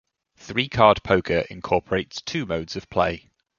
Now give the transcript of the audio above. Three Card Poker incorporates two modes of play.